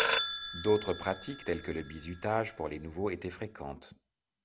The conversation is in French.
D'autres pratiques telles que le bizutage pour les nouveaux étaient fréquentes.